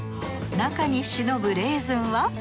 中に忍ぶレーズンは。